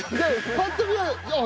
パッと見はあ